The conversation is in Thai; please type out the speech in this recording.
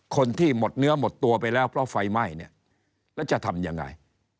คนที่หมดเนื้อหมดตัวไปแล้วเพราะไฟไหม้เนี่ยแล้วจะทำยังไง